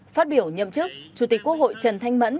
phát biểu nhậm chức chủ tịch quốc hội trần thanh mẫn